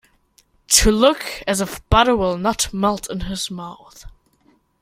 To look as if butter will not melt in his mouth.